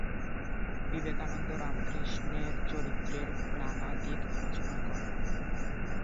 বিবেকানন্দ রামকৃষ্ণের চরিত্রের নানা দিক আলোচনা করেন।